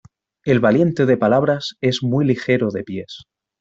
El valiente de palabras es muy ligero de pies.